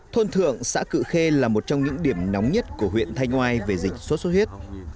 thôn thượng xã cự khê là một trong những điểm nóng nhất của huyện thanh oai về dịch sốt xuất huyết